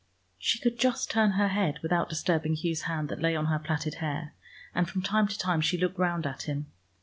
She could just turn her head without disturbing Hugh's hand that lay on her plaited hair, and from time to time she looked round at him.